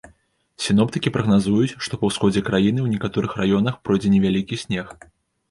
Сіноптыкі прагназуюць, што па ўсходзе краіны ў некаторых раёнах пройдзе невялікі снег.